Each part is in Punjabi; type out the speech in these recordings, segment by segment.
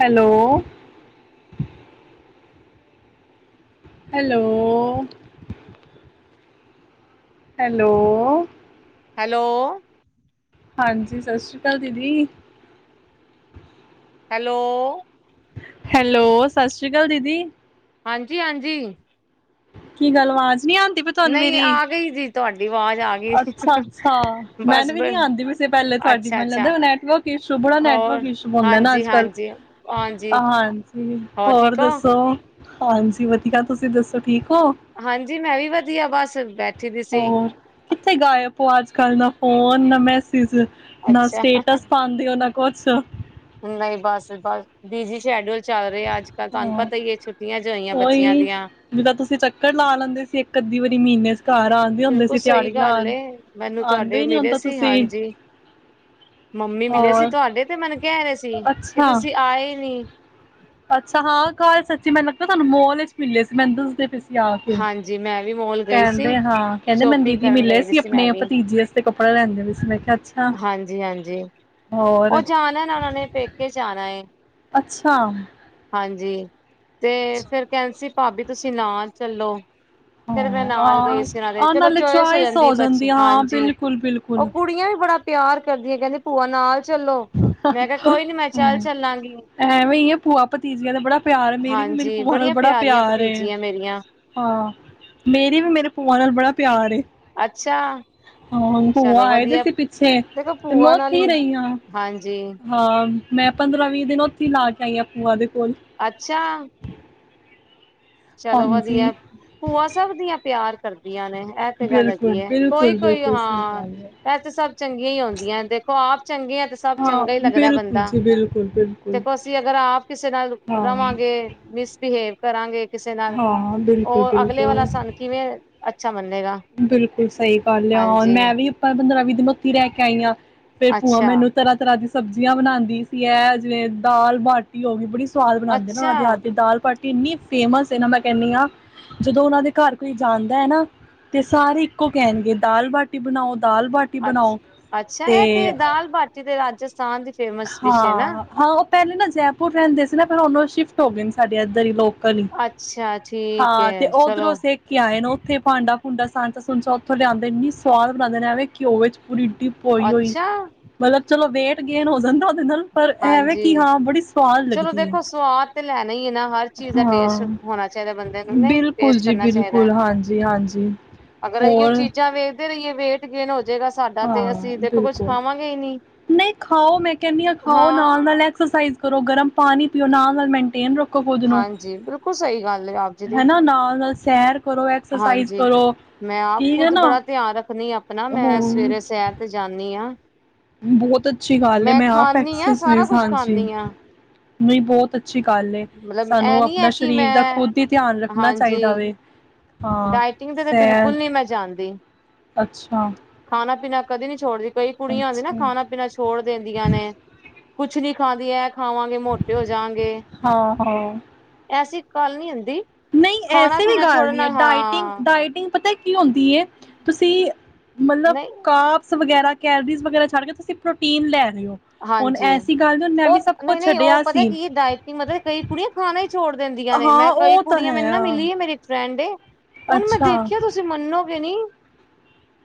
ਹੈਲੋ। ਹੈਲੋ। ਹੈਲੋ। ਹੈਲੋ। ਹਾਂਜੀ। ਸਤਿ ਸ੍ਰੀ ਅਕਾਲ ਦੀਦੀ। ਹੈਲੋ। ਹੈਲੋ, ਸਤਿ ਸ੍ਰੀ ਅਕਾਲ ਦੀਦੀ। ਹਾਂਜੀ, ਹਾਂਜੀ। ਕੀ ਗੱਲ ਆਵਾਜ਼ ਨੀ ਆਉਂਦੀ ਪਈ ਤੁਹਾਨੂੰ ਨਹੀਂ ਮੇਰੀ। ਆ ਗਈ ਜੀ ਤੁਹਾਡੀ ਆਵਾਜ਼ ਆ ਗਈ ਅੱਛਾ-ਅੱਛਾ ਬਸ ਮੈਨ ਵੀ ਬ ਨੀ ਆਉਂਦੀ ਪਈ ਸੀ ਪਹਿਲੇ ਤੁਹਾਡੀ ਅੱਛਾ, ਮੈਨੂੰ ਅੱਛਾ ਲਗਦਾ ਨੈਟਵਰਕ ਇਸ਼ੂ ਬੜਾ ਹੋਰ ਨੈਟਵਰਕ ਇਸ਼ੂ ਹੁੰਦਾ ਨਾ ਹਾਂਜੀ, ਅੱਜ ਕੱਲ ਹਾਂਜੀ, ਹਾਂਜੀ ਹਾਂਜੀ ਹੋਰ ਠੀਕ ਹੋ ਦੱਸੋ। ਹਾਂਜੀ। ਵਧੀਆ ਤੁਸੀਂ ਦੱਸੋ ਠੀਕ? ਹੋ ਹਾਂਜੀ। ਮੈਂ ਵੀ ਵਧੀਆ ਬਸ। ਬੈਠੀ ਦੀ ਸੀ ਹੋਰ ਕਿੱਥੇ ਗਾਏ ਅਪ ਅੱਜ ਕੱਲ ਦਾ ਫੋਨ ਨਾ ਮੈਂ ਸੇਜ ਨਾ ਅੱਛਾ ਸਟੇਟਸ ਪਾਉਂਦੇ ਹੋ ਨਾ ਕੁੱਛ ਨਹੀਂ ਬਸ-ਬਸ ਬੀਜੀ ਸ਼ੇਡਊਲ ਚੱਲ ਰਿ ਰਿਹਾ ਅੱਜ ਕੱਲ੍ਹ ਤੁਹਾਨੂੰ ਹਾਂ ਪਤਾ ਹੀ ਹੈ। ਛੁੱਟੀਆਂ ਜੋ ਹੋਈਆਂ ਬੱਚਿਆਂ ਉਹੀ ਦੀਆਂ। ਜਿੱਦਾਂ ਤੁਸੀਂ ਚੱਕਰ ਲਾ ਲੈਂਦੇ ਸੀ ਇੱਕ ਅੱਧੀ ਵਾਰੀ ਮਹੀਨੇ ਚ ਘਰ ਆਉਂਦੇ ਹੁੰਦੇ ਬਿਲਕੁਲ ਸੀ ਸਹੀ ਦਿਹਾੜੀ ਗੱਲ ਲਾਉਣ ਹੈ। ਮੈਨੂੰ ਆਉਂਦੇ ਤੁਹਾਡੇ ਹੀ ਨੀ ਹੁਣ ਮਿਲੇ ਤਾਂ ਸੀ ਤੁਸੀਂ ਹਾਂਜੀ ਮੰਮੀ ਮਿਲੇ ਸੀ ਹੋਰ ਤੁਹਾਡੇ ਤੇ, ਮੈਨੂੰ ਕਹਿ ਰਹੇ ਸੀ ਕਿ ਅੱਛਾ ਤੁਸੀਂ ਆਏ ਨੀ। ਹਾਂ, ਕੱਲ ਸੱਚੀ ਮੈਨੂੰ ਲੱਗਦਾ ਤੁਹਾਨੂੰ ਮੱਲ ਵਿੱਚ ਮਿਲੇ ਸੀ ਮੈਨੂੰ ਉਸ ਦਿਨ। ਹਾਂਜੀ ਮੈਂ ਵੀ ਮੋਲ ਗਈ ਸੀ ਹਾਂ ਕਹਿੰਦੇ ਮੈਨੂੰ ਸ਼ੋਪਿੰਗ ਦੀਦੀ ਕਰਨ ਮਿਲੇ ਗਈ ਸੀ ਮੈਂ ਆਪਣੇ ਵੀ ਭਤੀਜੇ ਵਾਸਤੇ ਕੱਪੜਾ ਲੈਂਦੇ ਪਏ ਸੀ ਮੈਂ ਕਿਹਾ ਅੱਛਾ ਹਾਂਜੀ-ਹਾਂਜੀ ਹੋਰ ਉਹ ਜਾਣਾ ਨਾ ਉਹਨਾਂ ਨੇ ਪੇਕੇ ਆਣਾ ਅੱਛਾ ਹਾਂਜੀ ਤੇ ਫੇਿਰ ਕਹਾ ਸੀ ਭਾਬੀ ਤੁਸੀਂ ਨਾਲ ਚੱਲੋ ਫਿਰ ਮੈਂ ਹਾਂ ਨਾਲ ਗਈ ਆ ਸੀ। ਇਹਨਾਂ ਦੇ ਆਹ ਚਲੋ ਨਾਲੇ ਚੋਇਸ ਹੋ ਚੁਆਇਸ ਜਾਂਦੀ ਏ ਬਸ ਆ ਹਾਂ ਹਾਂਜੀ ਬਿਲਕੁਲ ਬਿਲਕੁਲ ਉਹ ਕੁੜੀਆਂ ਵੀ ਬੜਾ ਤੈਆਰ ਕਰਦੀਆਂ ਕਹਿੰਦੇ ਭੂਆ ਨਾਲ ਚਲੋ ਮੈਂ ਕਿਹਾ ਕੋਈ ਨੀ ਮੈਂ ਚੱਲ ਚੱਲਾਂਗੀ। ਪਤੀਜ਼ੀਆਂ ਦਾ ਬੜਾ ਪਿਆਰ ਏ। ਮੇਰੀ ਵੀ ਮੇਰੀ ਹਾਂਜੀ ਭੂਆ ਨਾਲ ਬੜੀਆਂ ਬੜਾ ਪਿਆਰੀਆਂ ਪਿਆਰੇ ਭਤੀਜੀਆਂ ਮੇਰੀਆਂ ਹਾਂ ਮੇਰੀ ਵੀ ਮੇਰੇ ਭੂ ਉਹਨਾਂ ਨੂੰ ਬੜਾ ਪਿਆਰ ਏ। ਅੱਛਾ ਹਾਂ ਭੂਆ ਚਲੋ ਆਏ ਦੇ ਵਧੀਆ ਸੀ। ਪਿੱਛੇ ਦੇਖੋ ਤੇ ਮੈਂ ਭੂਆ ਨਾਲ ਉਥੀ ਹੀ ਰਹੀ ਆਂ ਹਾਂਜੀ ਹਾਂ ਮੈਂ ਪੰਦਰਾਂ ਵੀਹ ਦਿਨ ਉੱਥੇ ਲਾ ਕੇ ਆਈ ਹਾਂ ਭੂਆਂ ਦੇ ਕੋਲ ਅੱਛਾ ਚਲੋ ਹਾਂਜੀ ਵਧੀਆ ਭੂਆ ਸਭ ਦੀਆਂ ਪਿਆਰ ਕਰਦੀਆਂ ਨੇ ਇਹ ਤੇ ਗੱਲ ਬਿਲਕੁਲ ਹੈਗੀ ਹੈ ਬਿਲਕੁਲ ਕੋਈ-ਕੋਈ ਬਿਲਕੁਲ ਸਹੀ ਹਾਂ ਗੱਲ ਹੈ ਇਹ ਤੇ ਸਭ ਚੰਗੀਆਂ ਹੀ ਹੋਉਂਦੀਆਂ ਦੇਖੋ ਆਪ ਚੰਗੀਆਂ ਤੇ ਸਭ ਹਾਂ ਚੰਗਾ ਹੀ ਲੱਗਦਾ। ਬਿਲਕੁਲ ਬੰਦਾ ਜੀ ਬਿਲਕੁਲ ਬਿਲਕੁਲ ਦੇਖੋ ਅਸੀਂ ਅਗਰ ਆਪ ਕਿਸੇ ਨਾਲ ਹਾਂ ਰਵਾਂਗੇ ਮਿਸਬਿਹੇਵ ਕਰਾਂਗੇ। ਕਿਸੇ ਨਾਲ ਹਾਂ ਬਿਲਕੁਲ ਉਹ ਅਗਲੇ ਵਾਲਾ ਬਿਲਕੁਲ ਸਨ ਕਿਵੇਂ। ਅੱਛਾ ਮੰਨੇਗਾ ਬਿਲਕੁਲ ਸਹੀ ਗੱਲ ਆ। ਹਾਂਜੀ ਮੈਂ ਵੀ ਆਪਾਂ ਪੰਦਰਾਂ ਵੀਹ ਮਤੀ ਰਹਿ ਕੇ ਆਈਂ ਹਾਂ। ਫੇਰ ਭੂਆ ਅੱਛਾ ਮੈਨੂੰ ਤਰ੍ਹਾਂ-ਤਰ੍ਹਾਂ ਦੀ ਸਬਜ਼ੀਆਂ ਬਣਾਉਂਦੀ ਸੀ। ਹੈ ਜਿਵੇਂ ਦਾਲ ਬਾਟੀ ਹੋ ਗਈ ਬੜੀ ਸਵਾਦ ਬਣਾਉਂਦੇ ਨਾ ਉਹਨਾਂ ਅੱਛਾ ਦੇ ਹੱਥ ਦਾਲ ਭਾਟੀ ਕਿੰਨੀ ਫੇਮਸ ਹੈ ਨਾ ਮੈਂ ਕਹਿੰਦੀ ਹਾਂ ਜਦੋਂ ਉਹਨਾਂ ਦੇ ਘਰ ਕੋਈ ਜਾਂਦਾ ਹੈ। ਨਾ ਤੇ ਸਾਰੇ ਇੱਕੋ ਕਹਿਣਗੇ ਦਾਲ ਬਾਟੀ ਬਣਾਓ। ਦਾਲ ਬਾਟੀ ਬਣਾਓ ਅੱ-ਅੱਛਾ ਇਹ ਤੇ ਦਾਲ ਬਾਟੀ ਤੇ ਰਾਜ ਹਾਂ-ਹਾਂ ਉਹ ਪਹਿਲੇ ਨਾ ਜੈਪੁਰ ਰਹਿੰਦੇ ਸੀ। ਨਾ ਫਿਰ ਉਹਦੋਂ ਸ਼ਿਫਟ ਹੋ ਗਏ ਨੇ ਸਾਡੇ ਇੱਧਰ ਹੀ ਲੋਕ ਅੱਛਾ ਠੀਕ ਹਾਂ ਤੇ ਹੈ ਚਲੋ ਉੱਧਰੋਂ ਸਿੱਖ ਕੇ ਆਏ ਨੇ ਉ ਉੱਥੇ ਭਾਂਡਾ- ਭੂੰਡਾ ਸਾਂਚਾ ਉੱਥੋਂ ਲਿਆਉਂਦੇ ਇੰਨੀ ਸਵਾਦ ਬਣਾਉਦੇ ਨੇ ਵੇ ਘਿਓ ਵਿੱਚ ਪੂਰੀ ਇਡੀ ਪੋਈ ਹੋਈ ਅੱਛਾ ਮਤਲਬ ਚਲੋ ਵੇ ਗੇਨ ਹੋ ਜਾਂਦਾ। ਦਰ ਪਰ ਐਵੇਂ ਹਾਂਜੀ ਕਿ ਹਾਂ ਬੜੀ ਸਵਾਦ ਚਲੋ ਲੱਗਦੀ ਹੈ। ਦੇਖੋ ਸੁਵਾਦ। ਤੇ ਲੇ ਨਹੀਂ ਆ ਨਾ ਹਰ ਚੀਜ ਦਾ ਟੇਸਟ ਹਾਂ ਹੋਣਾ ਚਾਹੀਦੇ ਬੰਦੇ ਨੂੰ ਨਹੀ ਬਿਲਕੁਲ ਟੇਸਟ ਜੀ ਕਰਨਾ ਚਾਹੀਦੇ। ਬਿਲਕੁਲ ਹਾਂਜੀ ਹਾਂਜੀ ਅਗਰ ਐਈਉ ਹੋਰ ਚੀਜਾ ਦੇਖਦੇ ਰਹਿਣੇ ਵੇਟ ਗੇਨ ਹੋ, ਜਾਏਗਾ ਸਾਡਾ ਤੇ ਹਾਂ ਅਸੀਂ ਦੇਖੋ ਕੁੱਝ ਬਿਲਕੁਲ ਖਾਵਾਂਗੇ ਹੀ ਨਹੀਂ। ਨਹੀਂ ਖਾਓ ਮੈਂ ਕਹਿੰਦੀ ਹਾਂ ਖਾਓ ਐਕਸਰਸਾਈਜ਼ ਕਰੋ ਗਰਮ, ਪਾਣੀ ਪੀਓ ਨਾਲ ਨਾਲ ਮੇਨਟੇਨ ਰੱਖੋ। ਖੁਦ ਨੂੰ ਹਾਂਜੀ ਬਿਲਕੁਲ ਸਹੀ ਗੱਲ ਹੈ, ਆਪ ਜੀ ਦੀ। ਹਨਾ ਨਾਲ ਨਾਲ ਸੈਰ ਕਰੋ ਐਕਸਰਸਾਈਜ਼ ਹਾਂਜੀ ਕਰੋ ਮੈਂ ਆਪ ਠੀਕ ਹੈ ਖੁਦ ਨਾ ਬੜਾ ਧਿਆਨ ਰੱਖਣੀ ਆਪਣਾ ਮੈਂ, ਹਾਂ ਸਵੇਰੇ ਸ਼ਹਿਰ ਜਾਨੀ ਆ, ਐ, ਬਹੁਤ ਅੱਛੀ ਗੱਲ ਐ ਆਪ ਹਾਂ ਸਾਰਾ ਐਕਰਸਾਈਜ ਕੁਛ ਹਾਜੀ, ਖਾਂਦੀ ਹਾਂ ਨਹੀ ਬਹੁਤ ਅੱਛੀ ਗੱਲ ਐ ਮਤਲਬ ਇਹ ਸਾਨੂੰ ਨੀ ਹੈ ਆਪਣੇ ਕਿ ਸਰੀਰ ਦਾ ਮੈਂ ਖੁਦ ਹੀ ਧਿਆਨ ਰੱਖਣਾ ਹਾਂਜੀ ਚਾਹੀਦਾ ਵੇ, ਹਾਂ। ਡਾਇਟਿੰਗ ਤੇ ਤਾਂ ਸੈਰ ਬਿਲਕੁਲ ਨੀ ਮੈਂ ਜਾਣਦੀ, ਅੱਛਾ ਖਾਣਾ ਪੀਣਾ। ਕਦੀ ਨੀ ਛੋੜਦੀ, ਕਈ ਕੁੜੀਆ ਨੇ ਅੱਛਾ ਖਾਣਾ ਪੀਣਾ ਛੋੜ ਦਿੰਦੀਆ ਨੇ, ਕੁਛ ਨੀ ਖਾਦੀ ਐ। ਖਾਵਾਂ ਗੇ ਮੋਟੇ ਹੋ ਜਾਵਾਂਗੇ ਹਾਂ ਹਾਂ। ਐ ਸੀ, ਕੱਲ ਨੀ ਆਦੀ। ਨਹੀਂ ਐਸੇ ਵੀ ਗੱਲ ਨਹੀ ਹੈ। ਡਾਈਟ ਹਾਂ ਡਾਈਟਿੰਗ, ਪਤਾ, ਹੁੰਦੀ ਤੁਸੀਂ ਮਤਲਬ ਨਹੀਂ ਕਾਪਸ ਵਗੈਰਾ, ਕੈਲਰੀਜ਼ ਵਗੈਰਾ ਛੱਡ ਕੇ ਤੁਸੀਂ ਪ੍ਰੋਟੀਨ ਲੈ, ਰਹੇ ਹੋ। ਹੁਣ ਹਾਂਜੀ, ਐਸੀ ਗੱਲ ਨੀ ਹੁਣ ਮੈਂ ਉਹ ਵੀ ਸਭ ਕੁਛ ਨਹੀਂ-ਨਹੀਂ ਉਹ ਛੱਡਿਆ ਪਤਾ ਸੀ ਕੀ ਡਾਈਟਿੰਗ ਮਤਲਬ ਕੁੜੀਆ ਖਾਣਾ ਈ, ਛੋੜ ਦਿੰਦੀਆਂ ਨੇ ਹਾਂ ਮੈਂ ਕਈ ਉਹ ਤਾਂ ਕੁੜੀਆਂ ਮੈਨੂੰ ਹੈ ਨਾ ਆ। ਮਿਲੀ ਹੈ ਮੇਰੀ ਫਰੈਂਡ ਏ, ਉਹਨੂੰ ਮੈਂ ਅੱਛਾ ਦੇਖਿਆ ਤੁਸੀਂ ਮੰਨੋਗੇ ਨਈ,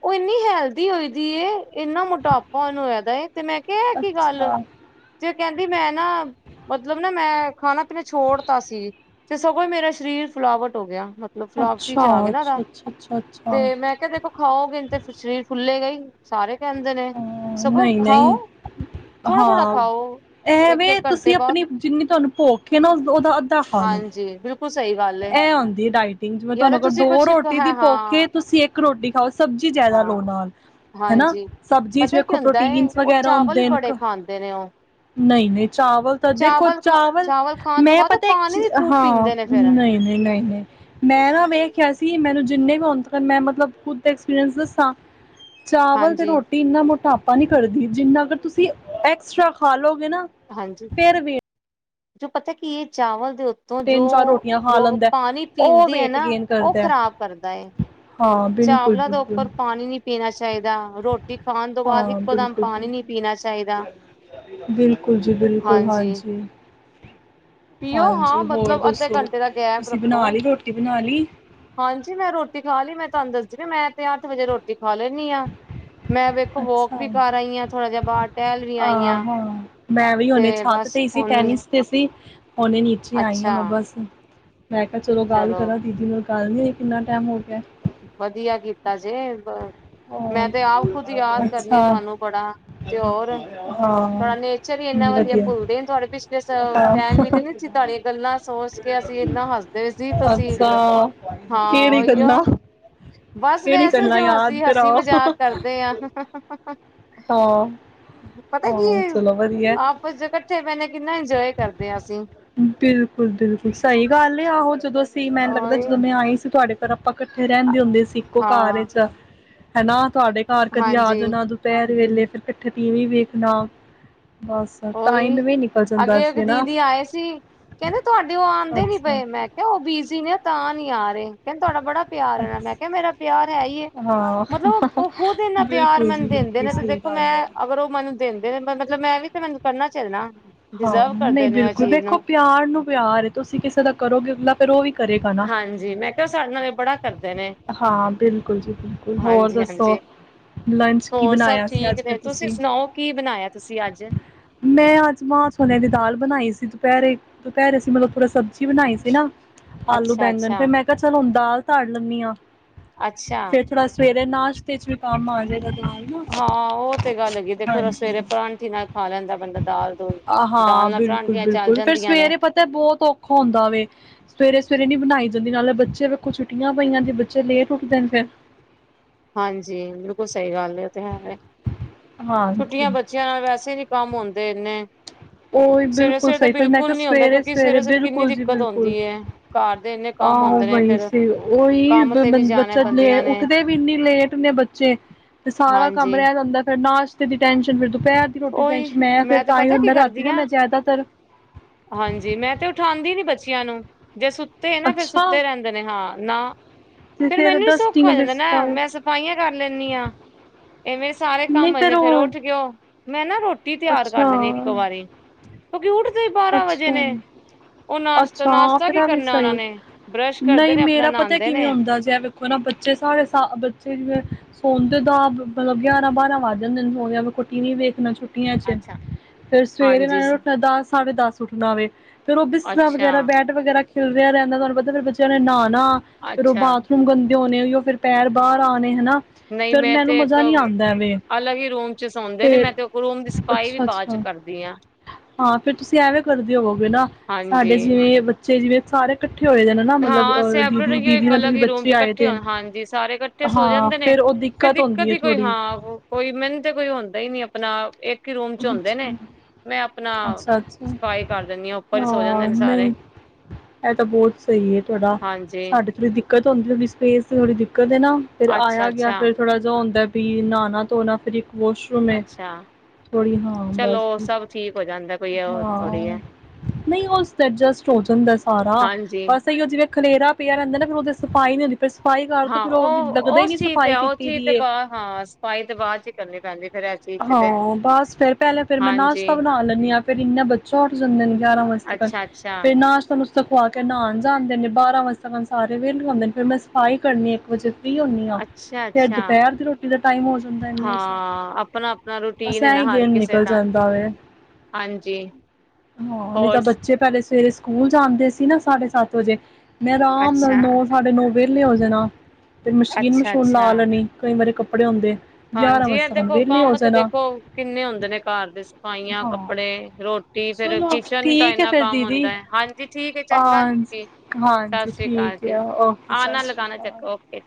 ਉਹ ਇੰਨੀ ਹੈਲਦੀ ਹੋਈ ਦੀ ਏ ਇੰਨਾ ਮੋਟਾਪਾ ਨੂੰ ਹੋਗਾ ਤੇ, ਐ ਕਿ ਗੱਲ ਅੱਛਾ ਜੇ, ਕਹਿੰਦੀ ਮੈਂ ਨਾ ਮਤਲਬ ਨਾ ਮੈਂ ਖਾਣਾ ਮੈਂ ਛੋੜਤਾ ਸੀ। ਤੇ ਸਗੋਂ ਮੇਰਾ ਸਰੀਰ ਫਿਲਾਵਟ ਹੋ ਗਿਆ। ਮਤਲਬ ਫਲਾਵਟੀ ਅੱਛਾ, ਚ ਆ ਗਏ ਨਾ ਉਹਦਾ ਅੱਛਾ, ਅੱਛਾ, ਅੱਛਾ, ਅੱਛਾ ਤੇ ਮੈਂ ਕਿਹਾ ਦੇਖੋ ਖਾਓਗੇ ਤੇ ਸ਼ਰੀਰ ਫੁਲੇ ਗਏ ਸਾਰੇ ਕਹਿਦੇ ਨੇ ਹਾਂ ਸਗੋ ਖਾਓ। ਨਹੀਂ-ਨਹੀਂ ਥੋੜਾ ਥੋੜਾ ਹਾਂ ਖਾਓ ਇੱਕ ਐਵੇਂ ਇੱਕ ਘੰਟੇ ਤੁਸੀਂ ਬਾਅਦ ਆਪਣੀ ਜਿੰਨੀ ਤੁਹਾਨੂੰ ਭੁੱਖ ਐ ਨਾ ਉਹਦਾ ਅੱਧਾ ਖਾ ਲੋ, ਹਾਂਜੀ ਬਿਲਕੁਲ ਸਹੀ ਗੱਲ ਏ ਇਹ ਹੁੰਦੀ ਹੈ ਡਾਇਟਿੰਗ ਜਿਵੇਂ ਜਾਂ ਤਾਂ ਤੁਹਾਨੂੰ ਤੁਸੀਂ ਦੋ ਕੁਛ ਰੋਟੀ ਦੀ ਹੈ ਭੁੱਖ ਹਾਂ ਇੱਕ ਰੋਟੀ ਖਾਓ ਸਬਜ਼ੀ ਜ਼ਿਆਦਾ ਲਓ ਹਾਂ ਨਾਲ ਹੈ ਨਾਂ ਹਾਂਜੀ ਸਬਜ਼ੀ ਚ ਪਤਾ ਕੀ ਵੇਖੋ ਹੁੰਦਾ ਏ ਪ੍ਰੋਟੀਨ ਉਹ ਵਗੈਰਾ ਚਾਵਲ ਹੀ ਬੜੇ ਖਾਂਦੇ ਨੇ ਉਹ ਨਹੀਂ ਨਹੀਂ, ਚਾਵਲ ਤਾਂ ਦੇਖੋ ਖਾ ਚਾਵਲ ਖਾਣ ਤੋਂ ਮੈਂ ਬਾਅਦ ਉਹ ਪਤਾ ਇੱਕ ਪਾਣੀ ਵੀ ਖੂਬ ਹਾਂ। ਪੀਂਦੇ ਨੇ ਫੇਰ ਨਹੀਂ ਨਹੀਂ ਨਹੀਂ ਨਹੀਂ, ਮੈਂ ਨਾ ਵੇਖਖਿਆ ਸੀ ਮੈਨੂੰ ਜਿੰਨੇ ਹੋਣ ਤਾਂ ਮਤਲਬ ਖੁਦ ਦਾ ਐਕਸਪੀਰੀਅਸ ਦੱਸਾਂ। ਚਾਵਲ ਤੇ ਹਾਂਜੀ ਰੋਟੀ ਇੰਨਾ ਮੋਟਾ ਆਪਾ ਨੀ ਕਰਦੀ ਜਿੰਨਾ ਕ ਤੁਸੀਂ ਐਕਸਟਰਾ ਖਾ ਲਓ। ਨਾ ਹਾਂਜੀ ਫੇਰ ਵੀ ਜੋ ਪਤਾ ਕਿ ਇਹ ਚਾਵਲ ਦੇ ਉੱਤੇ ਤੋਂ ਜੋ ਤਿੰਨ ਚਾਰ ਰੋਟੀਆਂ ਖਾ ਲੋਕ ਲੈਂਦਾ ਪਾਣੀ ਉਹ ਪੀਂਦੇ ਆ ਵੇਟ ਨਾ ਗੇਨ ਉਹ ਕਰਦਾ ਖ਼ਰਾਬ ਕਰਦਾ ਹੈ। ਹਾਂ ਬਿਲਕੁਲ ਚਾਵਲਾਂ ਦੇ ਬਿਲਕੁਲ ਉੱਪਰ ਪਾਣੀ ਨੀ ਪੀਣਾ ਚਾਹੀਦਾ। ਚਾਹੀਦਾ ਰੋਟੀ ਖਾਣ ਤੋਂ ਬਾਅਦ ਹਾਂ ਇੱਕੋ ਦਮ ਬਿਲਕੁਲ ਪਾਣੀ ਨੀ ਬਿਲਕੁਲ ਪੀਣਾ ਚਾਹੀਦਾ ਬਿਲਕੁਲ ਜੀ ਬਿਲਕੁਲ ਹਾਂਜੀ ਪੀਓ ਹਾਂ ਹਾਂਜੀ ਹੋਰ ਮਤਲਬ ਅੱਧੇ ਦੱਸੋ ਘੰਟੇ ਦਾ ਗੈਪ ਤੁਸੀਂ ਰੱਖੋ ਬਣਾ ਲਈ ਰੋਟੀ ਬਣਾ ਲਈ ਹਾਂਜੀ ਮੈਂ ਰੋਟੀ ਖਾ ਲਈ ਮੈਂ ਤੁਹਾਨੂੰ ਦੱਸਦੀ ਮੈਂ ਤੇ ਅੱਠ ਵਜੇ ਰੋਟੀ ਖਾ ਲੈਂਨੀ ਹਾਂ। ਮੈਂ ਵੇਖੋ ਵੋਕ ਅੱਛਾ ਵੀ ਕਰ ਆਈ ਹਾਂ ਥੋੜਾ ਜਿਹਾ ਬਾਹਰ ਟਹਿਲ ਵੀ ਆਈ ਆ ਹ ਹਾਂ ਮੈਂ ਵੀ ਹੁਣੇ ਤੇ ਛੱਤ ਬਸ ਹੀ ਸੀ ਹੁਣ ਟੈਨਿਸ ਤੇ ਸੀ ਹੁਣੇ ਨੀਚੇ ਆਈ ਹਾਂ ਅੱਛਾ ਮੈ ਬਸ। ਮੈਂ ਕਿਹਾ ਚਲੋ ਗੱਲ ਕਰਾਂ ਦੀਦੀ ਨੂੰ । ਹਾਂ ਜੀ ਨੀ ਕਿੰਨਾ ਟਾਈਮ ਹੋ ਗਿਆ? ਵਧੀਆ ਕੀਤਾ ਜੇ, ਮੈਂ ਹੋਰ ਤੇ ਆਪ ਖੁੱਦ ਯਾਦ ਕਰਨੀ ਅੱਛਾ ਆ ਤੁਹਾਨੂੰ ਬੜਾ ਤੇ ਹੋਰ ਹਾਂ ਤੁਹਾਡਾ ਨੇਚਰ ਹੀ ਇੰਨਾ ਵਧੀਆ ਭੁੱਲਦੇ ਤੁਹਾਡੇ ਪਿਛਲੇ ਹਾਂ ਟੈਮ ਹੀ ਨੇ ਤੁਹਾਡੀਆਂ ਗੱਲਾਂ ਸੋਚ ਕੇ ਅਸੀਂ ਇਨਾ ਹੱਸਦੇ ਹਾਂ। ਸੀ ਤੁਸੀਂ ਅੱਛਾ ਕਿਹੜੀ ਉਹੀਓ ਗੱਲਾਂ, [unintelligible] ਬਸ ਕਿਹੜੀ ਵੈਸੇ ਜੋ ਗੱਲਾਂ ਯਾਦ ਅਸੀਂ ਹਸੀ ਕਰਾਓ ਮਜ਼ਾਕ ਕਰਦੇ ਆ। ਹਾਂ ਪਤਾ ਕੀ ਹਾਂ ਹੈ ਚਲੋ ਵਧੀਆ ਆਪਸ ਕੱਠੇ ਬਹਿ ਕਿੰਨਾ ਇੰਜੋਈ ਕਰਦੇ ਹਾਂ ਅਸੀਂ । ਬਿਲਕੁਲ ਬਿਲਕੁਲ ਸਹੀ ਗੱਲ ਏ ਆਹੋ ਜਦੋਂ, ਸੀ ਮੈ ਲੱਗਦਾ ਉਹੀ ਜਦੋਂ ਮੈਂ ਆਈ ਸੀ ਤੁਹਾਡੇ । ਫੇਰ ਆਪਾਂ ਇਕੱਠੇ ਰਹਿੰਦੇ ਹੁੰਦੇ ਸੀ ਇੱਕੋ ਘਰ ਹਾਂ ਚ ਹਨਾ, ਤੁਹਾਡੇ ਘਰ ਕਦੀ ਆ ਹਾਂਜੀ ਜਾਣਾ ਦੁਪਹਿਰ ਵੇਲੇ ਫਿਰ ਇਕੱਠੇ ਟੀਵੀ ਵੇਖਣਾ, ਬਸ ਟਾਈਮ ਉਹੀ ਵੀ ਨਿਕਲ ਸਕਦਾ ਅੱਗੇ ਇੱਕ ਸੀ ਹਨਾ, ਦੀਦੀ ਆਏ ਕਹਿੰਦੇ ਤੁਹਾਡੇ ਉਹ ਆਦੇ ਨੀ ਅੱਛਾ ਪਏ ਮੈਂ ਕਿਹਾ ਉਹ ਬਿਜੀ ਨੇ ਤਾਂ ਨੀ ਆ ਰਹੇ ਕਹਿੰਦੇ ਤੁਹਾਡਾ ਬੜਾ ਪਿਆਰ ਨਾ ਮੈਂ ਅੱਛਾ ਕਿਹਾ ਮੇਰਾ ਪਿਆਰ ਹੈ ਹੀਏ ਹਾਂ। ਮਤਲਬ ਉਹ ਖੁਦ ਇੰਨਾ ਪਿਆਰ ਬਿਲਕੁਲ ਜੀ ਮੈਨੂੰ ਦਿੰਦੇ ਬਿਲਕੁਲ ਨੇ ਤੇ ਸਹੀ ਦੇਖੋ ਗੱਲ ਹੈ। ਮੈਂ ਅਗਰ ਉਹ ਮੈਨੂੰ ਦਿੰਦੇ ਨੇ ਮਤਲਬ ਮੈਂ ਵੀ ਤੇ ਮੈਨੂੰ ਕਰਨਾ ਚਲਨਾ ਇਹਨੂੰ ਹਾਂ ਨਹੀਂ ਬਿਲਕੁਲ ਦੇੇਖੋ ਪਿਆਰ ਨੂੰ ਪਿਆਰ ਤੁਸੀਂ ਕਿਸੇ ਦਾ ਕਰੋਗੇ ਅਗਲਾ ਪਰ ਉਹ ਵੀ ਕਰੇਗਾ ਨਾ। ਹਾਂਜੀ ਮੈਂ ਕਿਹਾ ਸਾਡੇ ਨਾਲ ਬੜਾ ਕਰਦੇ ਨੇ ਹਾਂ ਬਿਲਕੁਲ ਜੀ ਬਿਲਕੁਲ, ਹੋਰ ਹਾਂਜੀ ਦੱਸੋ ਹਾਂਜੀ ਲੰਚ ਕੀ ਹੋਰ ਸਭ ਬਣਾਇਆ ਠੀਕ ਅੱਜ ਨੇ ਤੁਸੀਂ ਤੁਸੀ, ਸੁਣਾਓ ਕੀ ਬਣਾਇਆ ਤੁਸੀਂ ਅੱਜ ਮੈਂ ਅੱਜ ਮਾ ਛੋਲੇ ਦੀ ਦਾਲ ਬਣਾਈ ਸੀ। ਦੁਪਹਿਰੇ ਦੁਪਹਿਰੇ ਸੀ ਮਤਲਬ ਪੂਰਾ ਸਬਜ਼ੀ ਬਣਾਈ ਸੀ ਨਾ ਆਲੂ ਅੱਛਾ ਬੈਂਗਣ ਅੱਛਾ ਫਿਰ ਮੈਂ ਕਿਹਾ ਚਲ ਦਾਲ ਧਰ ਲੈਨੀ ਆ, ਅੱਛਾ, ਨਾਸ਼ਤੇ ਚ ਵੀ ਕੰਮ ਆ ਜਾਈਦਾ। ਹਾਂ ਉਹ ਤੇ ਗੱਲ ਹੈਗੀ ਐ ਦੇਖੋ ਸਵੇਰੇ ਪਰਾਂਠੀ ਨਾਲ ਖਾ ਲੈਂਦਾ ਬੰਦਾ ਦਾਲ ਦੁਲ ਹਾਂ ਦਾਲ ਨਾਲ ਬਿਲਕੁਲ ਪਰਾਂਠੀਆਂ ਚੱਲ ਬਿਲਕੁਲ ਫੇਰ ਜਾਂਦੀਆਂ ਨੇ, ਸਵੇਰੇ ਪਤਾ ਬਹੁਤ ਔਖਾ ਹੁੰਦਾ ਵੇ ਸਵੇਰੇ ਸਵੇਰੇ ਨੀ ਬਣਾਈ ਜਾਂਦੀ ਨਾਲੇ ਬੱਚੇ ਵੇਖੋ ਛੁੱਟੀਆਂ ਪਾਈਆਂ। ਲੇ ਉੁੱਠਦੇ ਨੇ ਫਿਰ ਹਾਂਜੀ ਬਿਲਕੁਲ ਸਹੀ ਗੱਲ, ਤੇ ਹੈ ਛੁੱਟੀਆਂ ਹਾਂਜੀ ਬੱਚਿਆਂ ਨਾਲ ਵੈਸੇ ਵਿ ਕੰਮ ਆਉਂਦੇ ਇੰਨੇ ਉਹੀ ਸਵੇਰੇ ਬਿਲਕੁਲ ਸਵੇਰੇ ਤੇ ਸਹੀ ਫਿਰ ਮੈਂ ਕਿਹਾ ਬਿਲਕੁਲ ਨੀ ਹੁੰਦਾ ਕਿਉਂਕਿ ਸਵੇਰੇ-ਸਵੇਰੇ ਸਵੇਰੇ ਸਵੇਰੇ ਕਿੰਨੀ ਬਿਲਕੁਲਮ ਜੀ ਦਿੱਕਤ ਬਿਲਕੁਲ ਹੁੰਦੀ ਹੈ। ਘਰ ਦੇ ਇੰਨੇ ਕੰਮ ਆਹੋ ਹੁੰਦੇ ਨੇ ਬਹੀ ਫੇਰ ਸੀ ਉਹੀ ਕੰਮ ਤੇ ਵੀ ਜਾਣਾ ਬੱਚਾ ਲੈ ਬੰਦਿਆਂ ਨੇ ਉੱਠਦੇ ਵੀ ਐਨੀ ਲੇਟ ਹੁੰਦੇ ਬੱਚੇ ਤੇ ਸਾਰਾ ਕੰਮ ਹਾਂਜੀ ਰਹਿ ਜਾਂਦਾ ਫਿਰ ਨਾਸ਼ ਦੀ ਟੈਂਨਸ਼ਨ ਫਿਰ ਦੁਪਹਿਰ ਦੀ ਰੋਟੀ ਉਹੀ ਟੈਂਸ਼ਨ ਮੈਂ ਫਿਰ ਤੇ ਤਾਂ ਹੀ ਪਤਾ ਕੀ ਹੁੰਦਾ। ਕਰਦੀ ਨਾ ਮੈਂ ਜ਼ਿਆਦਾਤਰ ਹਾਂਜੀ ਮੈਂ ਤੇ ਉਠਾਉਂਦੀ ਨੀ ਬੱਚਿਆਂ ਨੂੰ ਜੇ ਸੁੱਤੇ ਨਾ ਫਿਰ ਅੱਛਾ ਸੁੱਤੇ ਰਹਿੰਦੇ ਨੇ ਹਾਂ। ਆ ਤੇ ਫੇਰ ਫਿਰ ਮੈਨੂੰ ਨ ਸੌਖਾ ਡਸਟਿੰਗ ਫਿਰ ਜਾਂਦਾ ਨਾ ਸਫਾਈ ਮੈਂ ਸਫਾਈਆਂ ਕਰ ਲੈਨੀ ਹਾਂ ਐਨੇ ਸਾਰੇ ਨਹੀਂ ਕੰਮ ਆ ਜਾਂਦੇ ਫੇਰ ਉਹ ਉੱਠ ਔ ਮੈਂ ਨਾ ਰੋਟ ਰੋਟੀ ਤਿਆਰ ਕਰ ਲੈਣੀ ਇੱਕ ਅੱਛਾ ਵਾਰੀ ਕਿਉਕ ਉੱਠਦੇ ਬਾਰਾਂ ਵਜੇ ਅੱਛਾ ਨੇ ਉਹ ਨਾਸ਼ਤਾ ਅੱਛਾ ਨਾਸ਼ਤਾ ਕੀ ਫੇਰ ਵੀ ਕਰਨਾ ਉਹਨਾਂ ਸਹੀ ਨੇ ਬਰੱਸ਼ ਕਰਦੇ ਨਹੀਂ ਨੇ ਆਪਣਾ ਮੇਰਾ ਪਤਾ ਨਹਾਉਂਦੇ ਕਿਵੇਂ ਨੇ ਹੁੰਦਾ ਜੇ ਵੇਖੋ ਨਾ ਬੱਚੇ ਸਾਰੇ ਬੱਚੇ ਜਿਵੇਂ ਸੋਣਦੇ ਤਾਂ ਮਤਲਬ ਗਿਆਰਾਂ ਬਾਰਾਂ ਵੱਜ ਜਾਂਦੇ ਨੇ ਸੋ ਟੀਵੀ ਨ ਵੇਖਣਾ ਛੁੱ ਉੱਠੀਆਂ ਚ ਅੱਛਾ ਫੇਰ ਸਵੇਰੇ ਨਾਲ ਹਾਂਜੀ ਉੱਠਣਾ ਦਸ ਸਾਡੇ ਦੱਸ ਉੱਠਦਾ ਹੋਵੇ ਵੇ ਫੇਰ ਉਹ ਬਿਸਰਾਂ ਅੱਛਾ, ਵਗੈਰਾ ਬੈਟ ਵਗੈਰਾ ਚਲਦਾ ਰਹਿੰਦਾ ਤੁਹਾਨੂੰ ਪਤਾ ਫਿਰ ਬੱਚਿਆਂ ਨੇ ਨਾ ਨਾ ਫਿਰ ਉਹ ਅੱਛਾ ਬਾਥਰੂਮ ਗੰਦੇ ਹੋਣੇ ਉਹ ਫਿਰ ਪੈਰ ਹਾਂ ਬਾਹਰ ਆਣੇ ਹਨਾ ਨਹੀਂ ਫਿਰ ਮੈਂ ਮੈਨੂੰ ਤੇ ਇੱਕ ਮਜ਼ਾ ਨੀ ਆਦਾ ਐਵੇ ਅਲੱਗ ਹੀ ਰੂਮ ਚ ਸੌਂਦੇ ਨੇ ਫੈਰ ਮੈਂ ਤੇ ਰੂਮ ਦੀ ਸਫਾਈ ਵੀ ਅੱਛਾ ਬਾਅਦ ਅੱਛਾ ਚ ਹਾਂ। ਕਰਦੀ ਹਾਂ ਤੁਸੀਂ ਐਵੇਂ ਕਰਦੇ ਹੋਵੋਗੇ, ਨਾ ਸਾਡੇ ਹਾਂਜੀ। ਜਿਵੇਂ ਬ ਬੱਚੇ ਜਿਵੇ ਸਾਰੇ ਕੱਠੇ, ਹਾਂ ਸੈ ਆਪਣੇ ਰਹੀਏ ਇੱਕ ਦੇ ਅਲੱਗ ਵੀ ਹੀ ਰੂਮ ਚ ਬੱਚੇ ਆਏ ਇਕੱਠੇ ਦੇ ਹੋ ਨੇ ਹਾਂਜੀ ਸਾਰੇ ਇਕੱਠੇ ਸੋ ਹਾਂ ਜਾਂਦੇ ਨੇ ਫਿਰ ਉਹ ਫੇਰ ਹੁੰਦੀ ਦਿੱਕਤ ਹੈ ਹੀ ਕੋਈ ਹਾਂ ਥੋੜ੍ਹੀ ਕੋਈ ਮੈਨੁੰ ਤੇ ਕੋਈ ਹੁੰਦਾ ਹੀ ਨੀ ਆਪਣਾ ਇੱਕ ਹੀ ਰੂਮ ਚ ਅ ਹੁੰਦੇ ਨੇ ਮੈਂ ਆਪਣਾ ਅੱਛਾ ਅੱਛਾ ਸਫਾਈ ਕਰ ਦਿੰਦੀ ਉੱਪਰ ਹੀ ਸੋ ਜਾਂਦੇ ਹਾਂ ਨੇ ਸਾਰੇ ਨਹੀਂ ਇਹ ਤਾਂ ਬਹੁਤ ਸਹੀ ਹੈ। ਥੋੜਾ ਹਾਂਜੀ ਸਾਡੇ ਦਿ ਦਿੱਕਤ ਸਪੈਸ ਦੀ ਥੋੜੀ ਜਿਹੀ ਕਦੇ ਨਾ ਫੇਰ ਅੱਛਾ, ਆ ਗਿਆ ਅੱਛਾ। ਫੇਰ ਥੋੜ੍ਹਾ ਜਿਹਾ ਹੁੰਦਾ। ਵੀ ਨਹਾਣਾ ਧੋਣਾ ਫਿਰ ਵਾਸ਼ਰੂਮ ਐ ਅੱਛਾ ਥੋੜੀ ਹਾਂ ਬਸ ਚਲੋ ਵੀ ਸਭ ਠੀਕ ਹੋ ਜਾਂਦਾ ਕੋਈ ਉਹ ਥੋੜ੍ਹੀ ਹੈ ਹਾਂ ਨਹੀਂ ਉਹ ਸੋਜਸਟ ਹੋ ਜਾਂਦਾ ਸਾਰਾ ਹਾਂਜੀ। ਬਸ ਇਹੀ ਉਹ ਜਿਵੇਂ ਖਲੇਰਾ ਪਿਆ ਰਹਿੰਦਾ ਨਾ ਉਹਦੇ ਸਫਾਾਈ ਨੂੰ ਹਾਂ ਉਹ ਉਸ ਚੀਜ਼ ਤੇ ਉਹ ਕੀਤੀ ਚੀਜ਼ ਦੀ ਤੇ ਏ ਬਾ ਹਾਂ ਸਫਾਈ ਤੇ ਬਾਅਦ ਚ ਹੀ ਕਰਨੀ ਪੈਂਦੀ ਫੇਰ ਇਹ ਚੀਜ਼ ਚ ਤੇ ਹਾਂ ਬਸ ਫਿਰ ਪਹਿਲੇਾਂ ਫਿਰ ਮੈਂ ਹਾਂਜੀ ਨਾਸ਼ਤਾ ਬਣਾ ਲੈਂਦੀ ਹਾਂ ਫਿਰ ਇਨਾ ਬੱਚਾ ਉੱਠ ਜਾਂਦੇ ਨੇ ਗਿਆਰਾਂ ਵਜੇ ਤੱਕ ਅੱਛਾ ਅੱਛਾ ਫੇਰ ਨਾਸ਼ਤਾ ਨੁਸ਼ਤਾ ਖਵਾ ਕੇ ਨਹਾਣ ਲਉਦੇ ਨੇ ਬਾਰਾਂ ਵਾਸਤੇ ਸਾਰੇ ਵੀ ਲਾਦੇ ਨੇ ਫਿਰ ਮੈ ਸਫਾਈ ਕਰਨੀ ਇੱਕ ਵਜੇ ਫ ਹੁੰਦੀ ਹਾਂ ਅੱਛਾ ਫੇਰ ਅੱਛਾ ਦੁਪਹਿਰ ਦੀ ਰੋਟੀ ਦਾ ਟਾਈਮ ਹੋ ਜਾਂਦਾ ਇੰਨੇ ਹਾਂ ਚ ਆਪਣਾ ਆਪਣਾ ਬਸ ਰੂਟੀਨ ਹੈ ਨਾ ਐਹੀ ਹਰ ਦਿਨ ਕਿਸੇ ਨਿਕਲ ਦਾ ਜਾਂਦਾ ਵ ਹਾਂਜੀ ਹਾਂ ਨਹੀਂ ਤਾਂ ਹੋਰ ਬੱਚੇ ਪਹਿਲੇ ਸਵੇਰੇ ਸਕੂਲ ਜਾਂਦੇ ਸੀ ਨਾ ਸਾਢੇ ਸੱਤ ਵਜੇ ਮੈਂ ਆਰਾਮ ਨਾਲ ਅੱਛਾ ਨੌ ਸਾਢੇ ਨੌ ਵਿਹਲੇ ਹੋ ਜਾਣਾ ਫਿਰ ਅੱਛਾ ਮਸ਼ੀਨ-ਮਸ਼ੂਨ ਅੱਛਾ ਲਾ ਲੈਣੀ, ਕਈ ਵਾਰੀ ਕੱਪ ੜੇ ਹੁੰਦੇ। ਗਿਆਰਾਂ ਹਾਂਜੀ ਵਜੇ ਇਹ ਤੱਕ ਦੇਖੋ ਵਿਹਲੇ ਹੋ ਕੰਮ ਤੇ ਜਾਣਾ ਦੇਖੋ ਕਿੰਨੇ ਹੁੰਦੇ ਨੇ ਘਰ ਦੇ ਸਫਾਈਆਂ, ਹਾਂ ਕੱਪੜੇ, ਰੋਟੀ, ਫੇਰ ਚਲੋ ਕਿਚਨ ਤਾਂ ਠੀਕ ਹੈ ਇਨਾ ਫਿਰ ਕੰਮ ਦੀਦੀ ਹੁੰਦਾ ਹੈ, ਹਾਂਜੀ ਠੀਕ ਹੈ ਚੰਗਾ ਹਾਂ ਜੀ ਸਤਿ ਹਾਂਜੀ ਸ੍ਰੀ ਅਕਾਲ ਠੀਕ ਜੀ। ਹੈ ਓਕੇ ਸਤਿ ਆਨਾ ਸ਼੍ਰੀ ਲਗਾਣਾ ਅਕਾਲ ਚੱਕਰ ਓਕੇ।